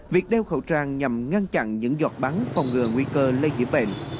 việc đeo khẩu trang nhằm ngăn chặn những giọt bắn phòng ngừa nguy cơ lây nhiễm bệnh